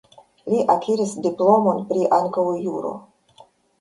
Li akiris diplomon pri ankaŭ juro.